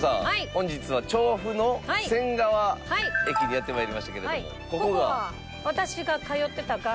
本日は調布の仙川駅にやって参りましたけれどもここは？